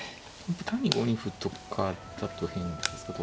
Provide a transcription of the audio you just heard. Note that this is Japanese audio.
単に５二歩とかだと変ですか。